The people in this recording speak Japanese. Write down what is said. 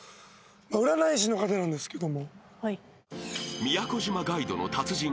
占い師の方なんですけども。